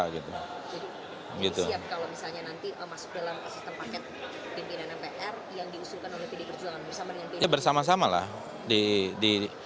jadi siap kalau misalnya nanti masuk dalam sistem paket pimpinan mpr yang diusulkan oleh pdip